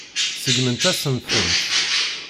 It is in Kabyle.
Seggment-asent-tent.